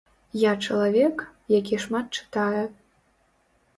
Я чалавек, які шмат чытае.